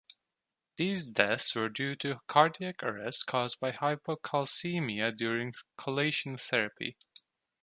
These deaths were due to cardiac arrest caused by hypocalcemia during chelation therapy.